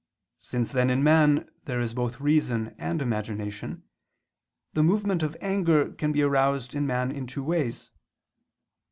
Since then in man there is both reason and imagination, the movement of anger can be aroused in man in two ways.